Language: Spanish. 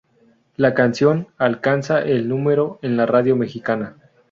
La canción alcanza el número en la radio mexicana.